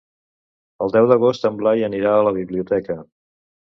El deu d'agost en Blai anirà a la biblioteca.